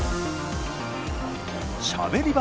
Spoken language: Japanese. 「しゃべり場」